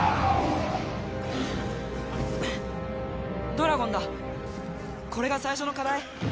ドラゴンだこれが最初の課題？